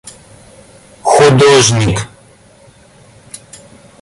художник